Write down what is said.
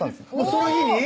その日に？